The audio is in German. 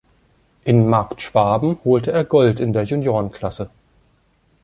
In Markt Schwaben holte er Gold in der Juniorenklasse.